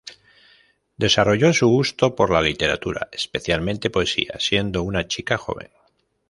Desarrolló su gusto por la literatura, especialmente poesía, siendo una chica joven.